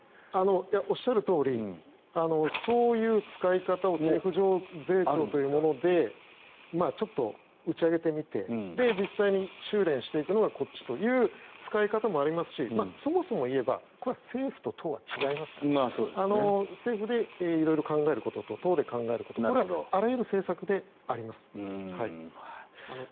おっしゃるとおりそういう使い方を政府税調というものでちょっと打ち上げてみて実際に収れんしていくのがこっちという使い方もありますしそもそもいえばこれは政府と党は違いますから政府で色々考えることと党で考えることこれはあらゆる政策であります。